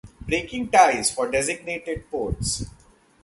Breaking ties for designated ports.